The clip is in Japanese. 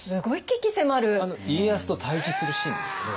家康と対峙するシーンですよね。